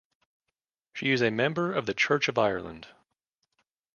She is a member of the Church of Ireland.